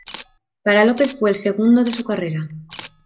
Para López fue el segundo de su carrera.